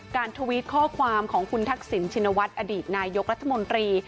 ทวิตข้อความของคุณทักษิณชินวัฒน์อดีตนายกรัฐมนตรี